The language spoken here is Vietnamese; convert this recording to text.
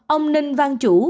ông ninh văn chủ